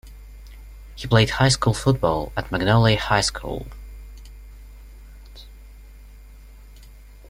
He played high school football at Magnolia High School.